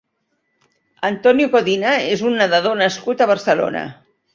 Antonio Codina és un nedador nascut a Barcelona.